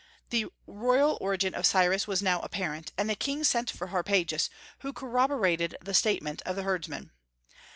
The royal origin of Cyrus was now apparent, and the king sent for Harpagus, who corroborated the statement of the herdsman.